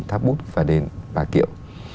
tháp bút và đền bà kiệm